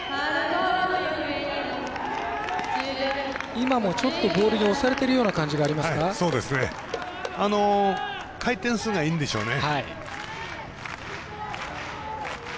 今もちょっとボールに押されてるような回転数がいいんでしょうね。